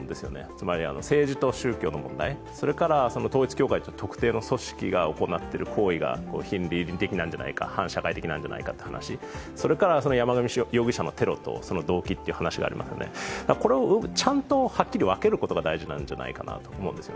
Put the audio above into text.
つまり、政治と宗教の問題、それから統一教会という特定の組織が行っている行為が非倫理的、反社会的なんじゃないかという話、それから、山上容疑者のテロと動機っていうのもあってこれをちゃんとはっきり分けることが大事じゃないかと思います。